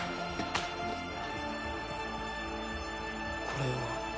これは？